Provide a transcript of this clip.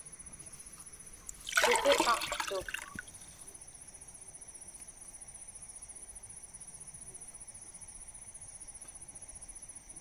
Tupiqaqtuq.